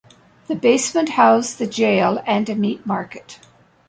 The basement housed the jail and a meat market.